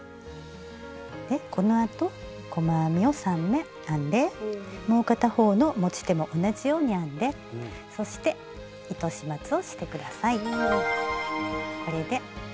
このあと細編みを３目編んでもう片方の持ち手も同じように編んでそして糸始末をして下さい。